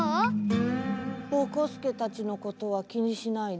ぼこすけたちのことはきにしないで？